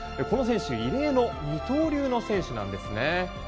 この選手異例の二刀流の選手なんですね。